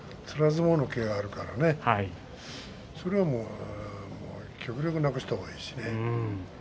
相撲のけがあるからねそれは極力なくす方がいいしね。